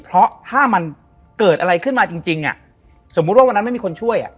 เพราะถ้ามันเกิดอะไรขึ้นมาจริงสมมุติว่าวันนั้นไม่มีคนช่วย